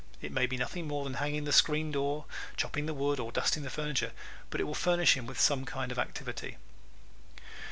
It may be nothing more than hanging the screen door, chopping the wood or dusting the furniture, but it will furnish him with some kind of activity.